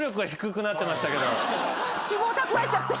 脂肪蓄えちゃって。